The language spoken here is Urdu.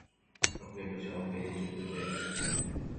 اپنے بچاؤ کے لیے خود جدوجہد کریں